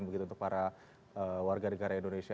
begitu untuk para warga negara indonesia